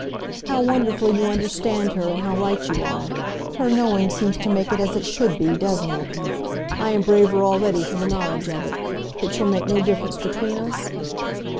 "How wonderfully you understand her, and how right you are! Her knowing seems to make it as it should be, doesn't it? I am braver already, for the knowledge of it. It shall make no difference between us?"